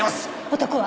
男は？